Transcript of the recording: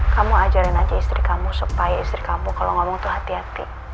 kamu ajarin aja istri kamu supaya istri kamu kalau ngomong itu hati hati